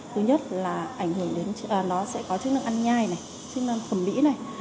thứ nhất là nó sẽ có chức năng ăn nhai này chức năng phẩm mỹ này